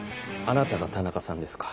あなたが田中さんですか。